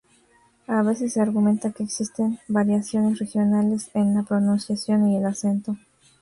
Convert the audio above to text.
A veces se argumenta que existen variaciones regionales en la pronunciación y el acento.